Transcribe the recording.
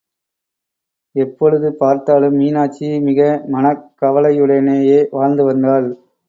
எப்பொழுது பார்த்தாலும் மீனாட்சி மிக மனக் கவலையுடனேயே வாழ்ந்து வந்தாள்.